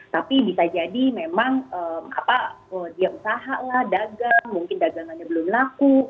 tapi bisa jadi memang apa dia usaha lah dagang mungkin dagangannya belum laku